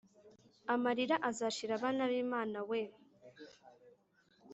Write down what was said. Amarira azashira bana bimana we